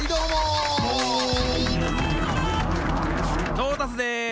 トータスです！